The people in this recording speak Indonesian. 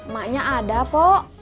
maknya ada pok